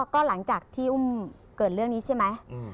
ก็หลังจากที่อุ้มเกิดเรื่องนี้ใช่ไหม